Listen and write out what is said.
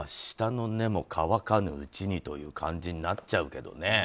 舌の根も乾かぬうちにという感じになっちゃうけどね。